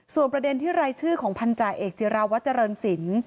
ส่วนประเด็นที่รายชื่อของพันธาเอกจิราวัตรเจริญศิลป์